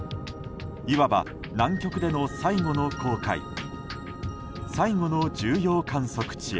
いわば南極での最後の航海最後の重要観測地へ。